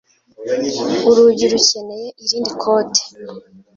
Urugi rukeneye irindi kote.